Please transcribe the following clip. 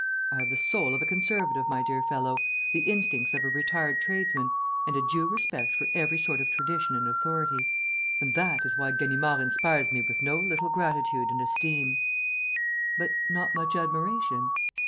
I have the soul of a conservative, my dear fellow, the instincts of a retired tradesman and a due respect for every sort of tradition and authority. And that is why Ganimard inspires me with no little gratitude and esteem." "But not much admiration?"